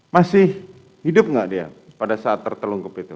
masih hidup nggak dia pada saat tertelungkup itu